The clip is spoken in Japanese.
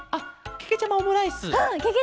けけちゃまオムライス！